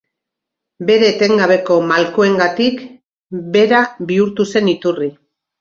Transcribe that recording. Bere etengabeko malkoengatik, bera bihurtu zen iturri.